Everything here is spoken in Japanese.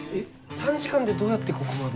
短時間でどうやってここまで？